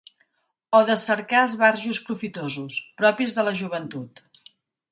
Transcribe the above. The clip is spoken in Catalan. O de cercar esbarjos profitosos, propis de la joventut